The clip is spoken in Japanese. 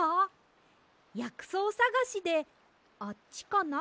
やくそうさがしで「あっちかな？